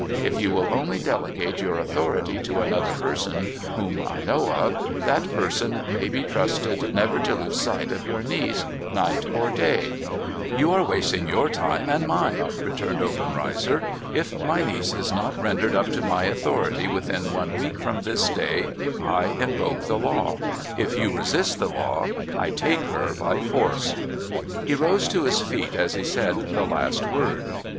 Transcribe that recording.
If you will only delegate your authority to another person whom I know of, that person may be trusted never to lose sight of your niece, night or day !'' You are wasting your time and mine,' returned Obenreizer. ' If my niece is not rendered up io my authority within one week from this day, I invoke the law. If you resist the law, I take her by force.' He rose to his feet as he said the last word.